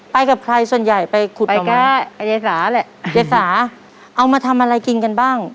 กับใครส่วนใหญ่ไปขุดไปแก้ไอ้ยายสาแหละยายสาเอามาทำอะไรกินกันบ้าง